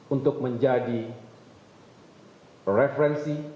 untuk menjadi referensi